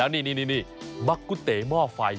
แล้วนี่บักกุเตะหม้อไฟ